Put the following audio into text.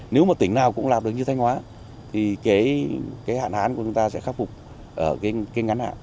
nếu tỉnh nào cũng làm được như thanh hóa thì hạn hán của chúng ta sẽ khắc phục ở cây ngắn hạn